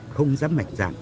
không dám mạnh dạng